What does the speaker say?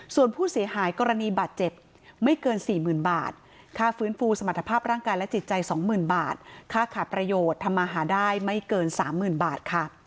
ส่วนผู้เสียหายกรณีบาดเจ็บไม่เกิน๔๐๐๐บาทค่าฟื้นฟูสมรรถภาพร่างกายและจิตใจ๒๐๐๐บาทค่าขาดประโยชน์ทำมาหาได้ไม่เกิน๓๐๐๐บาทค่ะ